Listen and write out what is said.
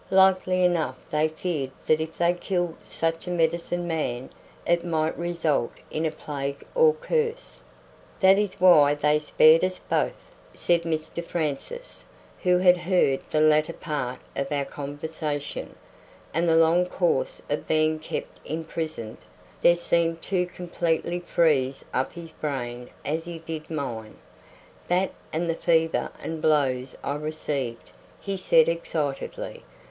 Likely enough they feared that if they killed such a medicine man it might result in a plague or curse." "That is why they spared us both," said Mr Francis, who had heard the latter part of our conversation; "and the long course of being kept imprisoned there seemed to completely freeze up his brain as it did mine. That and the fever and blows I received," he said excitedly.